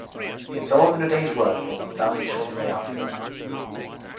It's all in a day's work and died shortly after.